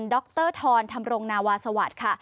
ดรธรธรรมรงนาวาสวัสดิ์ค่ะ